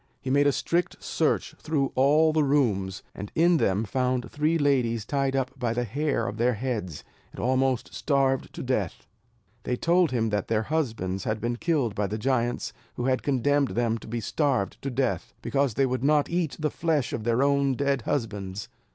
He made a strict search through all the rooms; and in them found three ladies tied up by the hair of their heads, and almost starved to death. They told him that their husbands had been killed by the giants, who had then condemned them to be starved to death, because they would not eat the flesh of their own dead husbands.